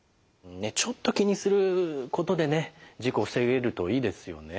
ちょっと気にすることでね事故を防げるといいですよね。